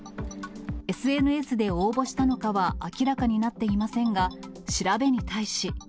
ＳＮＳで応募したのかは明らかになっていませんが、調べに対し。